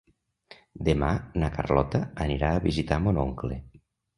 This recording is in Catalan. Demà na Carlota anirà a visitar mon oncle.